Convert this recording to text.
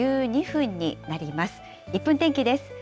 １分天気です。